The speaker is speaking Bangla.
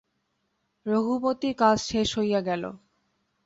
রঘুপতির কাজ শেষ হইয়া গেল।